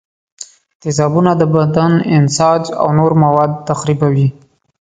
تیزابونه د بدن انساج او نور مواد تخریبوي.